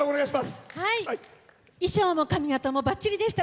衣装も髪形もばっちりでした。